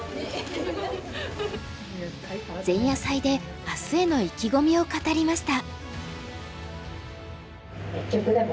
前夜祭で明日への意気込みを語りました。